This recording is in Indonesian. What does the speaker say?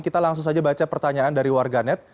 kita langsung saja baca pertanyaan dari warganet